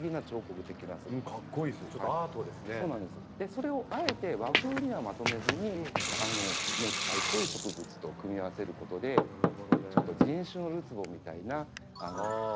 それをあえて和風にはまとめずに熱帯っぽい植物と組み合わせることでちょっと人種のるつぼみたいな無国籍な感じにつなげるんですね。